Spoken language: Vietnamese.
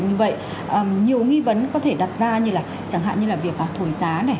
như vậy nhiều nghi vấn có thể đặt ra như là chẳng hạn như là việc thổi giá này